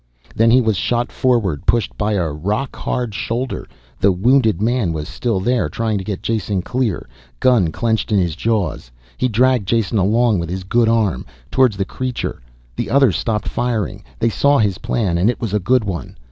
Then he was shot forward, pushed by a rock hard shoulder. The wounded man was still there, trying to get Jason clear. Gun clenched in his jaws he dragged Jason along with his good arm. Towards the creature. The others stopped firing. They saw his plan and it was a good one.